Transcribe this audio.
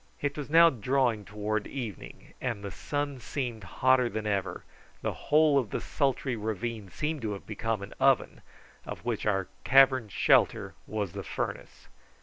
It was now drawing towards evening, and the sun seemed hotter than ever; the whole of the sultry ravine seemed to have become an oven, of which our cavern shelter was the furnace.